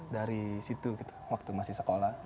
dari situ waktu masih sekolah